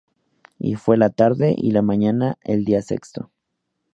Y fué la tarde y la mañana el día sexto.